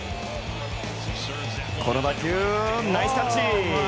この打球、ナイスキャッチ！